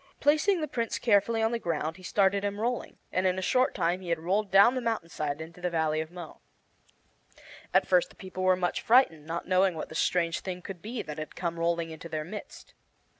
Placing the Prince carefully on the ground he started him rolling, and in a short time he had rolled down the mountain side into the Valley of Mo. At first the people were much frightened, not knowing what this strange thing could be that had come rolling into their midst.